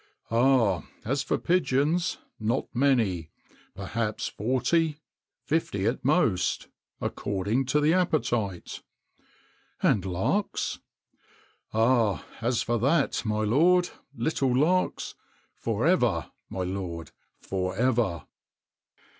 "Ah! as for pigeons, not many: perhaps forty fifty at most, according to the appetite." "And larks?" "Ah! as for that, my lord little larks for ever, my lord, for ever!"